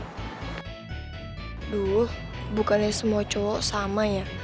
aduh bukannya semua cowok sama ya